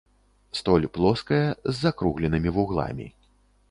Столь плоская, з закругленымі вугламі.